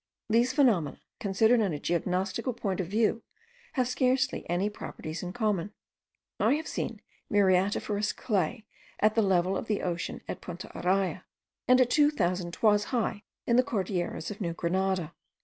These phenomena, considered in a geognostical point of view, have scarcely any properties in common. I have seen muriatiferous clay at the level of the ocean at Punta Araya, and at two thousand toises' height in the Cordilleras of New Grenada.